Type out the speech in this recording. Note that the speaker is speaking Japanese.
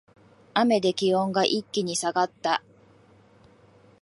雨で気温が一気に下がった